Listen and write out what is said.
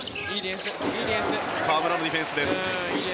河村のディフェンスです。